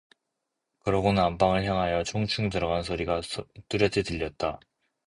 그러고는 안방을 향하여 충충 들어가는 신발 소리가 뚜렷이 들렸다.